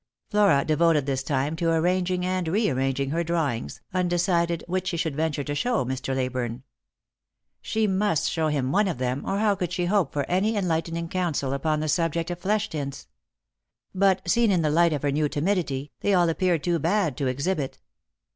Flora devoted this time to arranging and rearranging her drawings, undecided which she should venture to show Mr. Leyburne. She must show him one of them, or how could she hope for any enlightening counsel upon the subject of flesh tints ? But seen in the light of her new timidity, they all appeared too bad to exhibit.